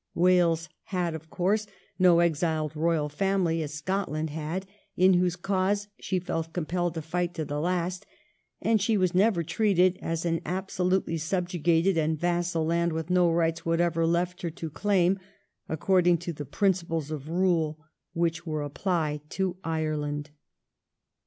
Wales had, of course, no exiled royal family, as Scotland had, in whose cause she felt compelled to fight to the last, and she was never treated as an absolutely subjugated and vassal land with no rights whatever left her to claim, according to the principles of rule which were applied to Ireland.